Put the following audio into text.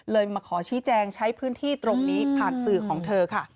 มาขอชี้แจงใช้พื้นที่ตรงนี้ผ่านสื่อของเธอค่ะ